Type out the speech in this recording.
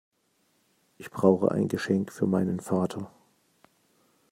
Ich brauche ein Geschenk für meinen Vater.